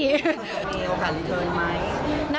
มีโอกาสลิทเติร์นไหม